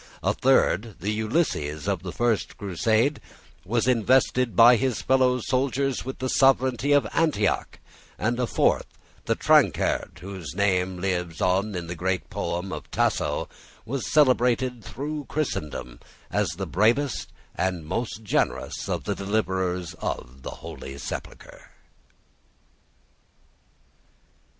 A third, the Ulysses of the first crusade, was invested by his fellow soldiers with the sovereignty of Antioch; and a fourth, the Tancred whose name lives in the great poem of Tasso, was celebrated through Christendom as the bravest and most generous of the deliverers of the Holy Sepulchre.